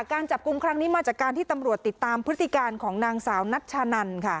การจับกลุ่มครั้งนี้มาจากการที่ตำรวจติดตามพฤติการของนางสาวนัชชานันค่ะ